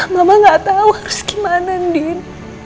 mama gak tau harus gimana ndin